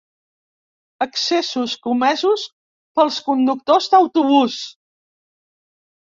Excessos comesos pels conductors d'autobús.